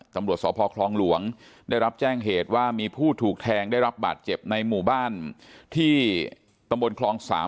ตำรวจสพคลองหลวงได้รับแจ้งเหตุว่ามีผู้ถูกแทงได้รับบาดเจ็บในหมู่บ้านที่ตำบลคลอง๓